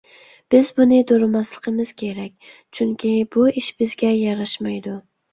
بىز بۇنى دورىماسلىقىمىز كېرەك، چۈنكى بۇ ئىش بىزگە ياراشمايدۇ.